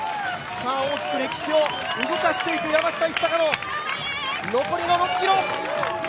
大きく歴史を動かしていく山下一貴の残りの６ｋｍ！